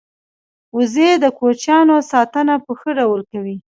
وزې د کوچنیانو ساتنه په ښه ډول کوي